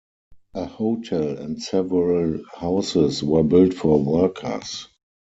A hotel and several houses were built for workers.